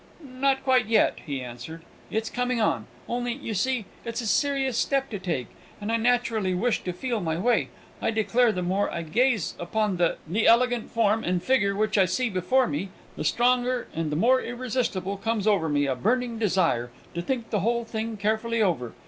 "Not quite yet," he answered; "it's coming on. Only, you see, it's a serious step to take, and I naturally wish to feel my way. I declare, the more I gaze upon the the elegant form and figger which I see before me, the stronger and the more irresistible comes over me a burning desire to think the whole thing carefully over.